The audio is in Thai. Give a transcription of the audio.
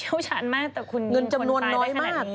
คุณยิงคนสายได้ขนาดนี้มันมีเงินจำนวนน้อยมาก